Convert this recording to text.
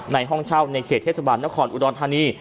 ห้องเช่าในเขตเทศบาลนครอุดรธานี